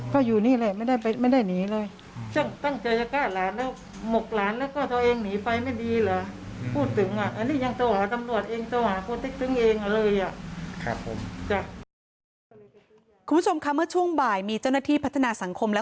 พออยู่นี่แหละไม่ได้ผ่านไม่ได้หนีเลยจ้างตั้งเศรือเก้าท์หลานแล้ว